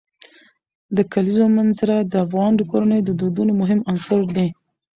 د کلیزو منظره د افغان کورنیو د دودونو مهم عنصر دی.